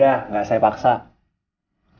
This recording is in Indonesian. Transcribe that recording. orang tua kamu denger saya lagi diceramain